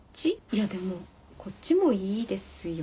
いやでもこっちもいいですよ。